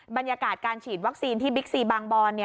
บรรยากาศการฉีดวัคซีนที่บิ๊กซีบางบอน